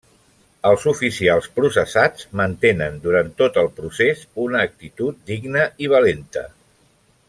Els oficials processats mantenen durant tot el procés una actitud digna i valenta.